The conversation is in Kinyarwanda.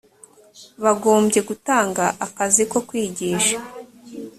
bagombye gutanga akazi ko kwigisha